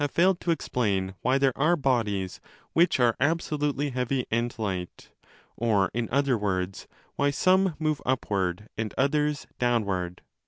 failed to explain why there are bodies which are absolutely heavy and light, or in other words why some meve upward and others downward.